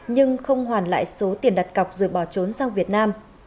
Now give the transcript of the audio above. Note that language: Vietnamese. nhưng không hoàn lại số tiền đặt cọc rồi bỏ trốn sang việt nam